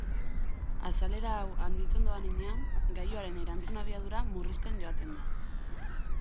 Azalera hau handitzen doan heinean, gailuaren erantzun-abiadura murrizten joaten da.